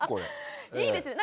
いいですね。